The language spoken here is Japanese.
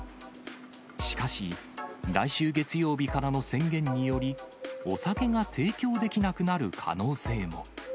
しかし、来週月曜日からの宣言により、お酒が提供できなくなる可能性も。